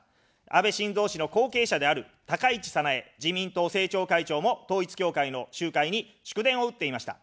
安倍晋三氏の後継者である高市早苗自民党政調会長も統一教会の集会に祝電を打っていました。